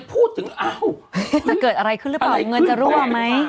พูดถึงอ้าวจะเกิดอะไรขึ้นหรือเปล่าเงินจะรั่วไหม